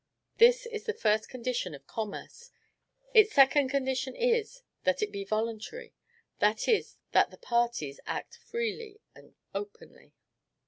This is the first condition of commerce. Its second condition is, that it be voluntary; that is, that the parties act freely and openly.